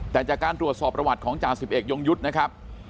แต่จากการตรวจสอบประวัติของจ่าสิบเอกยงยุทธ์นะครับ